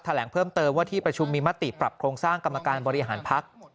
แหลงเพิ่มเติมว่าที่ประชุมมีมติปรับโครงสร้างกรรมการบริหารพัก